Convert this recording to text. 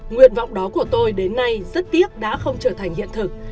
nguyện vọng đó của tôi đến nay rất tiếc đã không trở thành hiện thực